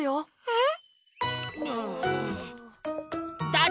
えっ？